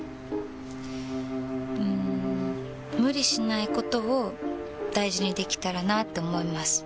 うん無理しないことを大事にできたらなって思います。